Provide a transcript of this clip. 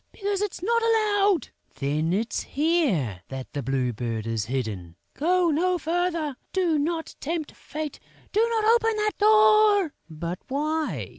"Because it's not allowed!" "Then it's here that the Blue Bird is hidden!" "Go no farther, do not tempt fate, do not open that door!" "But why?"